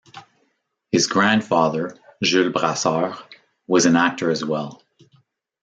His grandfather, Jules Brasseur, was an actor as well.